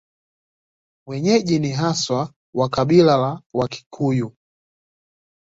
Wenyeji ni haswa wa kabila la Wakikuyu.